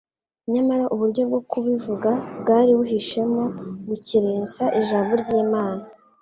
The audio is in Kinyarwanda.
nyamara uburyo bwo kubivuga bwari buhishemo gukerensa Ijambo ry'Imana.